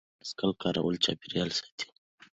د بایسکل کارول چاپیریال ساتي.